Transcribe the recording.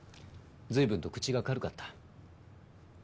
随分と口が軽かった。